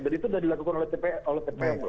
dan itu sudah dilakukan oleh cpm loh